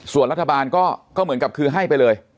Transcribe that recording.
ส่วนรัฐบาลก็เหมือนกับคือให้ไปเลย